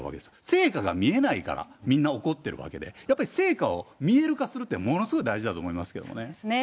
成果が見えないから、みんな怒ってるわけで、成果を見える化するっていうのはものすごい大事だと思いますけどそうですね。